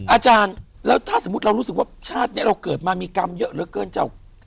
อาจารย์แล้วถ้าสมมุติเรารู้สึกว่าชาตินี้เราเกิดมามีกรรมเยอะเหลือเกินเจ้า